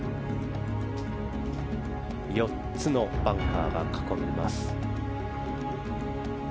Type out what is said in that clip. ４つのバンカーが囲みます。